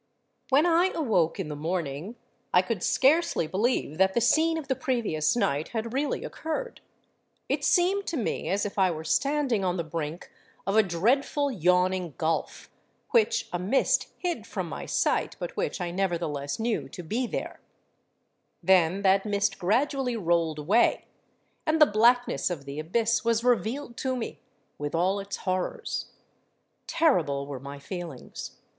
"When I awoke in the morning, I could scarcely believe that the scene of the previous night had really occurred. It seemed to me as if I were standing on the brink of a dreadful yawning gulf, which a mist hid from my sight, but which I nevertheless knew to be there. Then that mist gradually rolled away; and the blackness of the abyss was revealed to me with all its horrors. Terrible were my feelings.